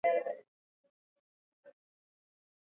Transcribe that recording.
li hao hawakueleza ni mbinu gani ambazo zitatumiwa